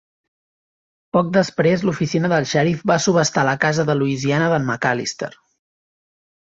Poc després l'oficina del xèrif va subhastar la casa de Louisiana d'en McAllister.